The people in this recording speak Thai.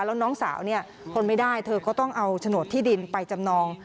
แล้วน้องสาวเนี่ยทนไม่ได้เธอก็ต้องเอาโฉนดที่ดินไปจำนอง